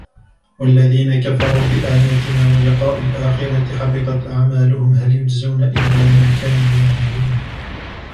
والذين كذبوا بآياتنا ولقاء الآخرة حبطت أعمالهم هل يجزون إلا ما كانوا يعملون